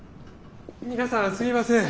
皆さんすみません。